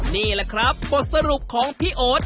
นี่แหละครับบทสรุปของพี่โอ๊ต